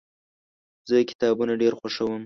زه کتابونه ډیر خوښوم.